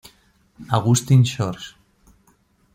Augustine Shores.